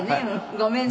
「ごめんね」